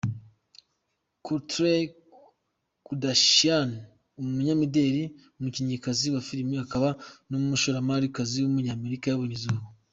Kourtney Kardashian, umunyamideli, umukinnyikazi wa filime, akaba n’umushoramarikazi w’umunyamerika yabonye izuba.